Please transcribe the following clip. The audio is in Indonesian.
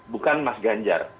bukan mas ganjar